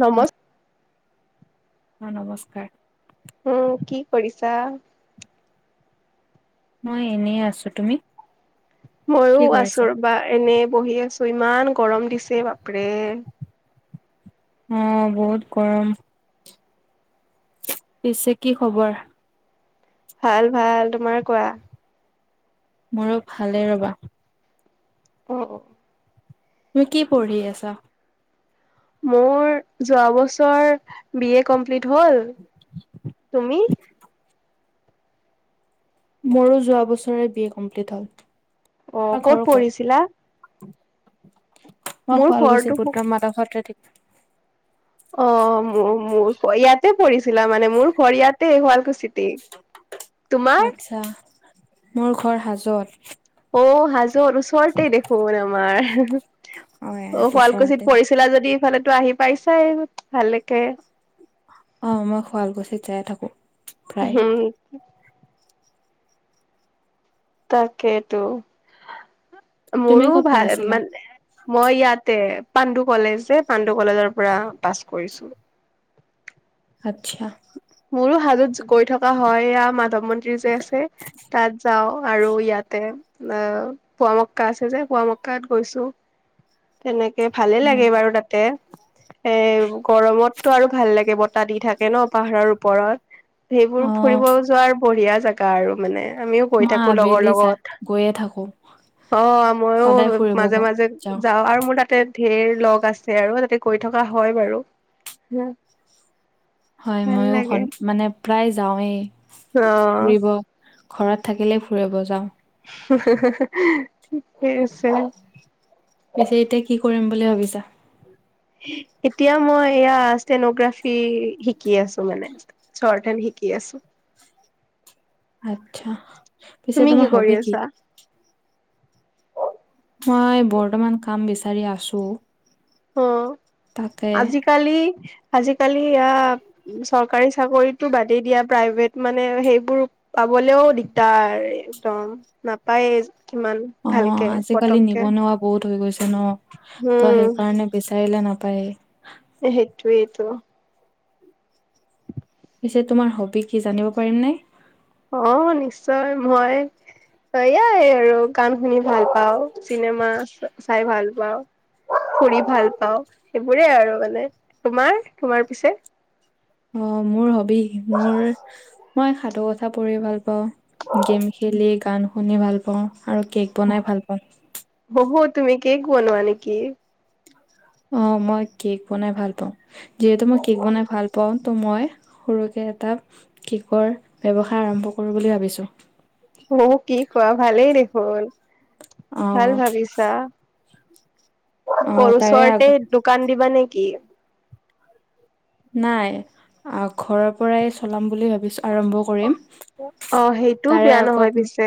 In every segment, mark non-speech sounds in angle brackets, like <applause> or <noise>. নমস্ অ, নমস্কাৰ। উম, কি কৰিছা? মই এনেই আছো। তুমি? কি মইয়ো কৰিছা আছো ৰবা, এনে বহি আছো, ইমান গৰম দিছে বাপৰে। অ, বহুত গৰম। পিছে, কি খবৰ? ভাল-ভাল। তোমাৰ কোৱা? মোৰো ভালেই ৰবা। অ, অ, তুমি কি পঢ়ি আছা? মোৰ যোৱা বছৰ বি এ কমপ্লিট হ'ল। তুমি? মোৰো যোৱা বছৰে বি এ কমপ্লিট হ'ল। অ', তোমাৰ ক'ত ঘৰ পঢ়িছিলা? ক'ত? মই মোৰ ঘৰটো শুৱালকুছিট বোৎকা মাদাসতে থা অ, মোৰ, মোৰ ইয়াতে পৰিছিলা মানে, মোৰ ঘৰ ইয়াতে, শুৱালকুছিত। আচ্ছা। মোৰ ঘৰ হাজোত। অ', হাজত। উচ্ ওচৰতে দেখোন আমাৰ। অ, অ এ শুৱালকুছিত ওচৰতে পঢ়িছিলা যদি, ইফালেটো আহি পাইছাই, ভালেকে। অ, মই শুৱালকুছি যাই থাকো। প্ৰায় উম। তাকেইটো। তুমি মোৰো ক'ত ভাল পঢ়িছিলা মানে মই ইয়াতে, পাণ্ডু কলেজ যে, পাণ্ডু কলেজৰ পৰা পাছ কৰিছো। আচ্ছা। মোৰো হাজোত গৈ থকা হয়, এইয়া মাধৱ মন্দিৰ যে আছে। তাত যাওঁ আৰু ইয়াতে অ' পোৱা মক্কা আছে যে, পোৱা মক্কাত গৈছো। তেনেকে ভালে হয় লাগে বাৰু তাতে। এ, গৰমতটো আৰু ভাল লাগে, বতাহ দি থাকে ন' পাহাৰৰ ওপৰত। সেইবোৰ অ ফুৰিব যোৱাৰ বঢ়িয়া জেগা আৰু মানে। আমিও গৈ মই থাকো লগৰ আবেলি যা লগত। গৈয়ে থাকো অ' সদায় ময়ো ফুৰিব মাজে গ মাজে যাওঁ যা অ' আৰু মোৰ তাতে ধেৰ লগ আছে, আৰু তাতে গৈ থকা হয় বাৰু। হম। হয়, ময়ো সন, মানে প্ৰায় যাৱেই অ ফুৰিব। ঘৰত থাকিলেই ফুৰিব যাওঁ। ঠিকেই আছে। পিছে এতিয়া কি কৰিম বুলি ভাবিছা? এতিয়া মই এয়া ষ্টেন'গ্ৰাফি শিকি আছোঁ মানে। চৰ্ট হেণ্ড শিকি আছোঁ। আচ্ছা। পিছে তুমি কি তোমাৰ কৰি হবি কি? আছা মই বৰ্তমান কাম বিচাৰি আছোঁ। তাতে কালি, আজি কালি এয়া চৰকাৰী চাকৰিটো বাদেই দিয়া, প্ৰাইভেট মানে সেইবোৰো পাবলৈও দিগদাৰ একদম, নাপায়েই। কিমান অ ভালকে, আজিকালি পটককে। নিবনুৱা বহুত হৈ গৈছে ন' ত' সেইকাৰণে বিচাৰিলে নাপায়েই। সেইটোৱেইটো। পিছে তোমাৰ হবি কি জানিব পাৰিম নে? অ' নিশ্চয় মই এয়াই আৰু গান শুনি ভাল পাওঁ, চিনেমা চাই ভাল পাওঁ। ফুৰি ভাল পাওঁ সেইবোৰে আৰু মানে। তোমাৰ তোমাৰ পিছে? অ' মোৰ হবি মোৰ মই সাধু কথা পঢ়ি ভাল পাওঁ, গেম খেলি, গান শুনি ভাল পাওঁ আৰু কেক বনাই ভাল পাওঁ। বহু তুমি কেক বনোৱা নেকি? অ' মই কেক বনাই ভাল পাওঁ। যিহেতু মই কেক বনাই ভাল পাওঁ ত' মই সৰুকে এটা কেকৰ ব্যৱসায় আৰম্ভ কৰোঁ বুলি ভাবিছোঁ। অ' কি কোৱা ভালেই দেখোন, ভাল অ', ভাবিছা। অ', তাৰে আগ কৰুচৰতে দোকান দিবা নেকি? নাই ঘৰৰ পৰাই চলাম বুলি ভাবিছোঁ, আৰম্ভ কৰিম। অ' সেইটোও তাৰে বেয়া আগত নহয় পিছে।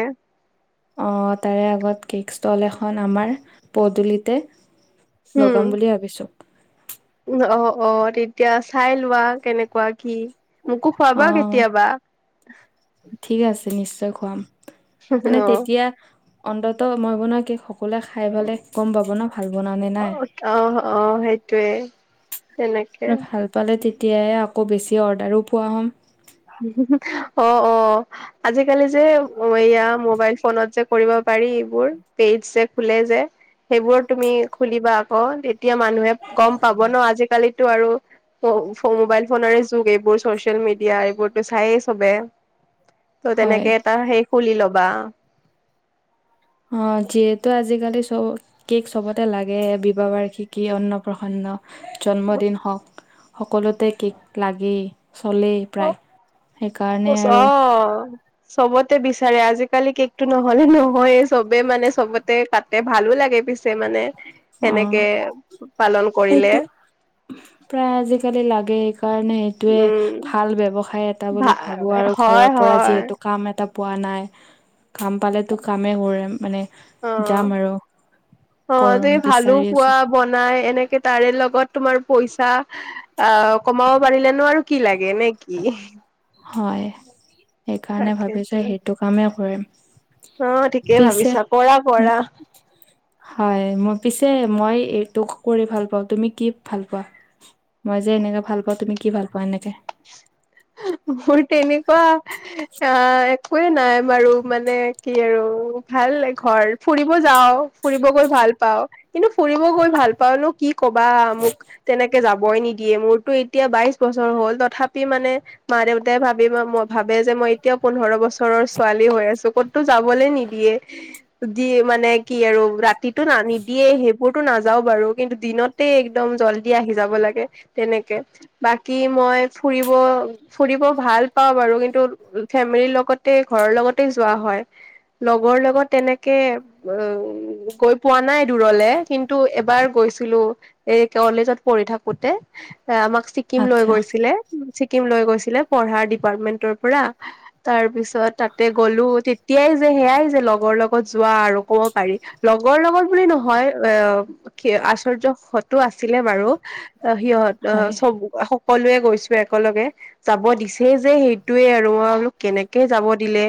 অ' তাৰে আগত কেক ষ্টল এখন আমাৰ পদূলিতে উম লগাম বুলি ভাবিছোঁ। অ', অ' তেতিয়া চাই লোৱা কেনেকুৱা কি, মোকো খোৱাবা অ', কেতিয়াবা। ঠিক আছে নিশ্চয় খুৱাম। মানে অ তেতিয়া অন্তত মই বনোৱা কেক সকলোৱে খাই পেলাই গ'ম পাব ন' ভাল বনাও নে নাই। অ', অ' সেইটোয়ে। ভাল পালে তেতিয় আকৌ বেছি অৰ্ডাৰো পোৱা হ'ম। অ', অ'। আজিকালি যে এয়া মোবাইল ফোনত যে কৰিব পাৰি এইবোৰ পেজ যে খোলে যে সেইবোৰো তুমি খুলিবা আকৌ, তেতিয়া মানুহে গ'ম পাব ন'। আজিকালিতো আৰু মোবাইল ফোনে যুগ, এইবোৰ চচিয়েল মিডিয়া বোৰটো চায়ে চবে ত' হয় তেনেকে এটা সেই খুলি লবা। অ' যিহেতু আজিকালি চব কেক চবতে লাগে, বিবাহ বাৰ্ষিকী, অন্নপ্ৰসন্ন জন্মদিন হওঁক সকলোতে কেক লাগেই চলেই। প্ৰায় সেইকাৰণে অ, আৰু চবতে বিচাৰে আজিকালি কেকটো নহলে নহয়ে চবে মানে চবতে কাট ভালো লাগে পিছে মানে অ সেনেকে পালন কৰিলে। এইটো প্ৰায় আজিকালি লাগে সেইকাৰণে উম সয়ে ভাল ব্য়ৱসায় এটা ভা বুলি ভাবো আৰু হয় ঘৰৰ পৰা হয় যিহেতু কাম এটা পোৱা নাই। কাম পালেেতো কামেই কৰে মানে অ যাম আৰু অ কৰম। তুমি ভালো বিচাৰি পোৱা আছো বনাই এনেকে তাৰে লগত তোমাৰ পইচা অ কমাব পাৰিলে ন আৰু কি লাগে নে কি? হয়, সেইকাৰণে তাকেতো ভাবিছোঁ সেইটো কামেই কৰিম। অ, ঠিকেই পিছে ভাবিছা, কৰা উম, কৰা। হয়, মই পিছে মই এইটো কৰি ভাল পাওঁ, তুমি কি ভাল পোৱা? মই যে এনেকে ভাল পাওঁ তুমি কি ভাল পোৱা এনেকে? <inaudible> কোৱা আহ, একয়ে নাই বাৰু মানে কি আৰু ভাল ঘৰ ফুৰিব যাওঁ ফুৰিব গৈ ভাল পাওঁ। কিন্তু ফুৰিব গৈ ভাল পাও ন কি কবা মোক তেনেকে যাবই নিদিয়ে মোৰতো এতিয়া বাইশ বছৰ হ'ল তথাপি মানে মা দেউতাই <unintelligible> ভাবে যে মই এতিয়াও পোন্ধৰ বছৰ ঘৰৰ ছোৱালী হৈ আছো ক'তো যাবলে নিদিয়ে। দি মানে কি আৰু ৰাতিটো <inaudible> নিদিয়ে সেইবোৰতো নাযাওঁ বাৰু কিন্তু দিনত <inaudible> একদম জল্দি আহি যাব লাগে তেনেকে বাকী মই ফুৰিব ফুৰিব ভাল পাওঁ বাৰু কিন্তু ফেমিলিৰ লগতে ঘৰৰ লগতে যোৱা হয়। লগৰ লগত তেনেকে উ, গৈ পোৱা নাই দূৰলে কিন্তু এবাৰ গৈছিলোঁ। এই কলেজত পঢ়ি থাকোতে আমাক ছিকিম লৈ আচ্ছা গৈছিলে ছিকিম লৈ গৈছিল ছিলে পঢ়াৰ ডিপাৰ্টমেন্টৰ পৰা, তাৰ পিছত তাতে গ'লোঁ তেতিয়াই যে সেয়াই যে লগৰ লগত যোৱা আৰু ক'ব পাৰি। লগৰ লগত বুলি নহয় এ, কি আচৰ্য্যহঁতো আছিলে বাৰু। অ, সিহঁত অ, হয় চব সকলোৱে গৈছো একেলগে। যাব দিছে যে সেইটোৱে আৰু মই বোলো কেনেকে যাব দিলে।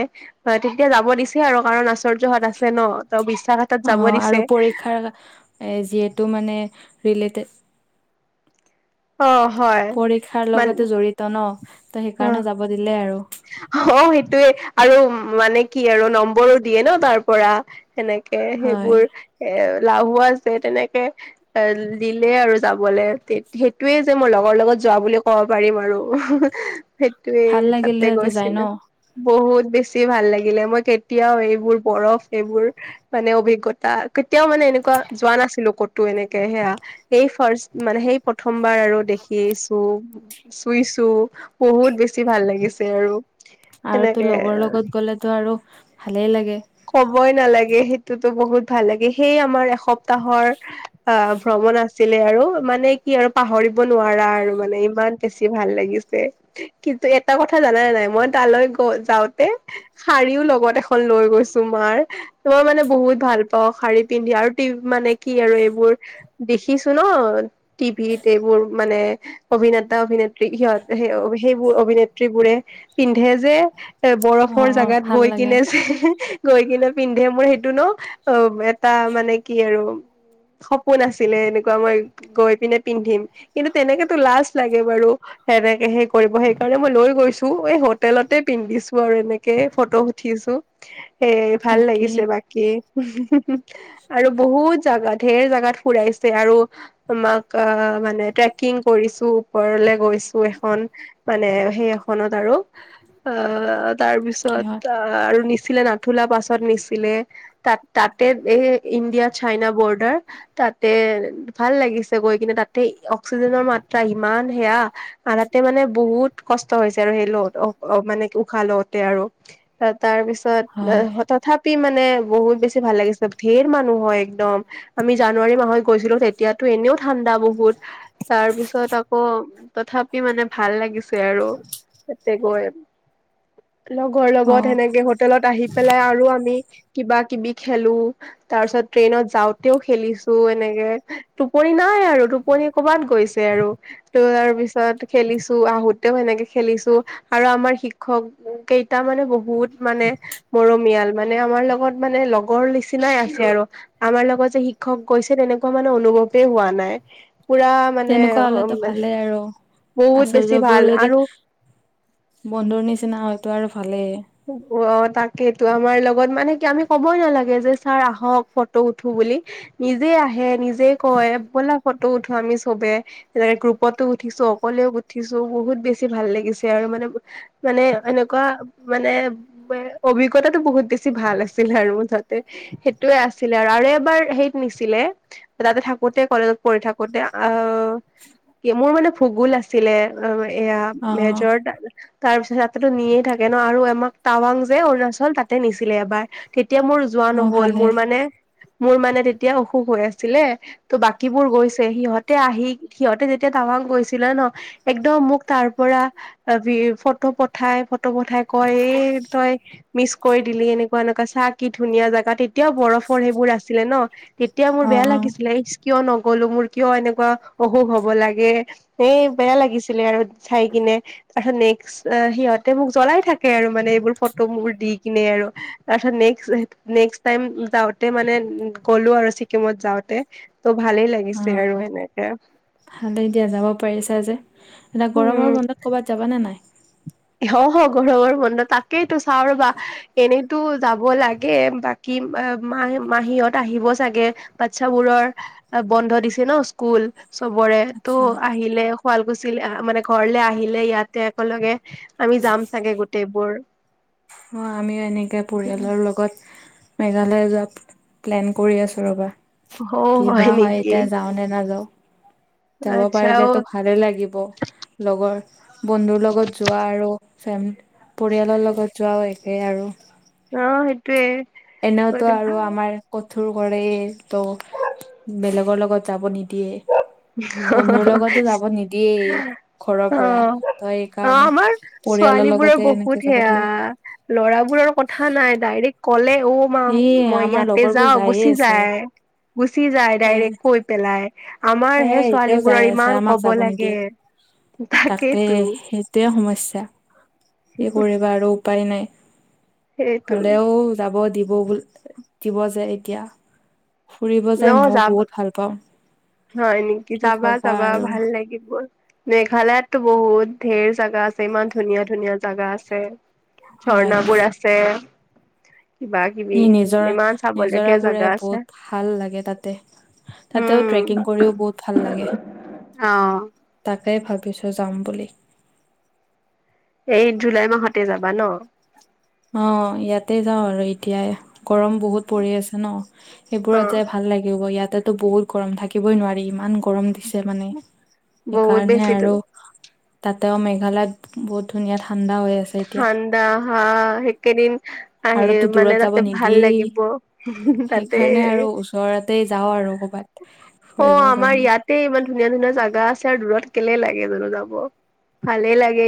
অ, তেতিয়া যাব দিছে আৰু কাৰণ আশ্চৰ্য হঁত আছে ন ত বিশ্বাস আছে, অ, আৰু পৰীক্ষাৰ এ, যিহেতু মানে ৰিলেটেড অ, হয়। পৰীক্ষাৰ মান লগতে জড়িত ন ত অ সেইকাৰণে যাব দিলে আৰু। অ, সেইটোৱে আৰু মানে কি আৰু নম্বৰো দিয়ে ন তাৰ পৰা। সেনেকে হয় সেইবোৰ এলাহু আছে তেনেকে এ দিলে আৰু যাবলে <inaudible> সেইটোয়ে যে মই লগৰ লগত যোৱা বুলি কম পাৰিম আৰু সেইটোৱে ভাল লাগিলে তাতে যাই ন গৈছিলোঁ। বহুত বেছি ভাল লাগিলে মই কেতিয়াও এইবোৰ বৰফ এইবোৰ মানে অভিজ্ঞতা কেতিয়াও মানে এনেকুৱা যোৱা নাছিলোঁ ক'তো এনেকে সেয়া সেই ফাৰ্স্ট মানে সেই প্ৰথমবাৰ আৰু দেখিছোঁ, চুইছোঁ বহুত বেছি ভাল লাগিছে আৰু। আৰু তো সেনেকে লগৰ লগত গ'লেতো আৰু ভালেই লাগে। ক'বই নালাগে সেইটোতো বহুত ভাল লাগে সেইয়ে আমাৰ এসপ্তাহৰ অ, ভ্ৰমণ আছিলে আৰু মানে কি আৰু পাহৰিব নোৱাৰা আৰু মানে ইমান বেছি ভাল লাগিছে কিন্তু এটা কথা জানানে নাই মই তালৈ গ যাওঁতে শাৰীও লগত এখন লৈ গৈছে তোমাৰ তোমাৰ মানে বহুত ভাল পাওঁ শাৰী পিন্ধি আৰু <inaudible> মানে কি আৰু এইবোৰ দেখিছো ন, টিভিত এইবোৰ মানে অভিনেতা অভিনে সিহঁত <unintelligible> সেইবোৰ অভিনেত্ৰীবোৰে পিন্ধে যে এ অ বৰফৰ জেগাত ভাল গৈ লাগে কিনে যে গৈ কিনে পিন্ধে মোৰ সেইটো ন, অ', এটা মানে কি আৰু। সপোন আছিলে এনেকুৱা, মই গৈ পিনে পিন্ধিম, কিন্তু তেনেকেতো লাজ লাগে বাৰু। সেনেকে সেই কৰিব, সেইকাৰণে মই লৈ গৈছোঁ, এই হোটেলতেই পিন্ধিছোঁ আৰু, এনেকেই ফটো উঠিছোঁ। <unintelligible> সেই ভাল ঠিকেই লাগিছে বাকী আৰু বহুত জাগাত ধেৰ জাগাত ফুৰাইছে আৰু আমাক অ', মানে ট্ৰেকিং কৰিছোঁ, ওপৰলৈ গৈছোঁ। <unintelligible> এখন মানে সেই এখনত আৰু। অ', তাৰ কিহত পিছত আৰু নিছিলে নাথুলা পাছত নিছিলে। তাত তাতেই এই ইণ্ডিয়া চাইনা বৰ্ডাৰ, তাতেই ভাল লাগিছে। গৈ কিনে তাতেই অক্সিজেনৰ মাত্ৰা ইমান সেয়া আৰু তাতে মানে বহুত কষ্ট ত হৈছে আৰু সেই <unintelligible> মানে উশাহ লওঁতে আৰু, তাৰপিছত হয় তথা পি মানে বহুত বেছি ভাল লাগিছে, ধেৰ মানুহ হয় একদম, আমি জানুৱাৰী মাহত গৈছিলোঁ, তেতিয়াতো এনেও ঠাণ্ডা বহুত, তাৰ পিছত আকৌ তথাপি মানে ভাল লাগিছে আৰু তাতে গৈ। লগৰ লগত অ সেনেকে হোটেলত আহি পেলাই আৰু আমি কিবা কিবি খেলো। তাৰ পিছত ট্ৰেইনত যাওঁতেও খেলিছোঁ এনেকে, টোপনি নাই আৰু পনি ক'বাত গৈছে আৰু, ত' তাৰ পিছত খেলিছোঁ, আহোতেও সেনেকে খেলিছোঁ। আৰু আমাৰ শিক্ষক কেইটা মানে বহুত মানে মৰমিয়াল, মানে আমাৰ লগত মানে লগৰ নিচিনাই আছে আৰু। আমাৰ লগত যে শিক্ষক গৈছে, তেনেকুৱা মানে অনুভৱেই হোৱা নাই, পুৰা মানে তেনেকুৱা হলেতো ভালেই আৰু, বহুত বেছি ভাল আচৰ্যবোৰ যদি আৰু বন্ধুৰ নিচিনা হয়তো আৰু ভালেই। অ', তাকেইেতো। আমাৰ লগত মানে কি আমি কবই নালাগে যে, ছাৰ আহক ফটো উঠো বুলি। নিজেই আহে, নিজেই কয়, ব'লা ফটো উঠো আমি চবেই। তেনেক গ্ৰুপতো উঠিছোঁ, অকলেও উঠিছোঁ, বহুত বেছি ভাল লাগিছে, আৰু মানে মানে এনেকুৱা মানে অভিজ্ঞতাটো বহুত বেছি ভাল আছিল আৰু মুঠতে। সেইটোয়েই আছিলে আৰু, আৰু এবাৰ হেৰিত নিছিলে। তাতে থাকোতে, কলেজত পঢ়ি থাকোতে, অহ কি মোৰ মানে ভূগোল আছিলে, অ', এইয়া অ মেজৰ তাৰপিছত তাতেতো নিয়েই থাকে ন আৰু আমাক টাৱাং যে অৰুণাচল, তাতেই নিছিলে এবাৰ। তেতিয়া মোৰ যোৱা অ নহল, মোৰ ভালেই মানে মোৰ মানে তেতিয়া অসুখ হৈ আছিলে। ত' বাকীবোৰ গৈছে, সিহঁতে আহি সিহঁতে যেতিয়া টাৱাং গৈছিলে ন' একদম মোক তাৰ পৰা যি ফটো পঠাই পঠাই কয়, এই তই মিচ কৰি দিলি, এনেকুৱা এনেকুৱা চা কি ধুনীয়া জেগা, তে তিয়া বৰফৰ সেইবোৰ আছিলে ন', তেতিয়া মোৰ অ বেয়া অ লাগিছিলে। কিয় নগলো, মোৰ কিয় এনেকুৱা অসুখ হব লাগে, এই বেয়া লাগিছিলে আৰু। চাই কিনে, তাৰপাছত নেক্সট অহ, সিহঁত মোক জলাই থাকে আৰু, মানে এইবোৰ ফটো বোৰ দি কিনে আৰু। তাৰপিছত নেক্স, নেক্সট টাইম যাওঁতে মানে গ'লো আৰু ছিকিমত যাওঁতে। ত' ভালেই অ লাগিছে আৰু এনেকে। ভালেই দিয়া, যাব পাৰিছা যে, এতিয়া গৰমৰ উম বন্ধত ক'বাত যাবা নে নাই? অ', অ', গৰমৰ বন্ধ, তাকেইতো চাওঁ ৰবা, এনেই তো যাব লাগে, বাকী মাহ মাহীত আহিব চাগে। বাচ্ছাবোৰৰ বন্ধ দিছে ন' স্কুল। চবৰে তো আচ্ছা আহিলে, শুৱালকুছি মানে ঘৰলে আহিলে ইয়াতে একেলগে আমি যাম চাগে গোটেইবোৰ। আমিও এনেকৈ পৰিয়ালৰ লগত মেঘালয়ে যোৱাত প্লেন কৰি আছো ৰ'বা। অ কিবা হয় নেকি এতিয়া যাও নে নাযাও যাব আচ্ছা অ পাৰিলেতো ভালে লাগিব। লগৰ বন্ধুৰ লগত যোৱা আৰু ফেম পৰিয়ালৰ লগত যোৱাওঁ একেই আৰু অহ, সেইটয়ে এনেওতো আৰু আমাৰ কঠোৰ কৰে ত' বেলেগৰ লগত যাব নিদিয়ে। <unintelligible> অ', বন্ধুৰ লগতো যাব নিদিয়েই ঘৰৰ পৰা অ', ত এইকাৰণে আমাৰ পৰিয়ালৰ ছোৱালী বোৰৰ লগতে এনেকে বহুত যাব সেয়া লাগিব ল'ৰাবোৰৰ কথা নাই ডাইৰেক্ট কলে অ, মা এই মই আমাৰ ইয়াতে লগৰবোৰ যাও যায়ে গুচি আছে যায়। গুচি যায় সে ডাইৰেক্ট কৈ পেলাই। আমাৰ হে সেয়াই ছোৱালী এতিয়াও যাই বোৰৰ আছে ইমান আমাক ক'ব যাব লাগে নিদিয়ে তাকেইতো। সটেই সমস্যা এই কৰিবা আৰু উপায় নাই সেইটো হলেও যাব দিব, দিব যে এতিয়া ফুৰিব ন যাই মইও যাবা বহুত ভাল পাওঁ। হয় নেকি কি যাবা কবা যাবা আৰু ভাল লাগিব। মেঘালয়ততো বহুত ধেৰ জাগা আছে ইমান ধুনীয়া, ধুনীয়া জাগা আছে। ঝৰ্ণাবোৰ আছে। কিবা কিবি সি নিজৰা, ইমান চাবলগীয়া নিজৰাবোৰে জাগা আছে বহুত ভাল লাগে তাতে। তাতেও উম ট্ৰেকিং কৰিও বহুত ভাল লাগে অ তাকেই ভাবিছোঁ যাম বুলি। এই জুলাই মাহতে যাবা ন। অ, ইয়াতে যাওঁ আৰু এতিয়া গৰম বহুত পৰি আছে ন সেইবোৰত অ', যাই ভাল লাগিব ইয়াতেতো বহুত গৰম থাকিবই নোৱাৰি ইমান গৰম দিছে মানে বহুত সেইকাৰণে বেছিতো আৰু তাতেও মেঘালয়ত বহুত ধুনীয়া ঠাণ্ডা হৈ আছে এতিয়া। ঠাণ্ডা হা এক দিন আৰু দূৰত যাব নিদিয়েই তাতে সেইকাৰণে আৰু ওচৰতেই যাওঁ আৰু ক'ৰবাত। অ, ফুৰিবৰ আমাৰ কাৰণে ইয়াত এ ইমান ধুনীয়া, ধুনীয়া জাগা আছে আৰু দূৰত কেলে লাগে জানো যাব ভালে লাগে।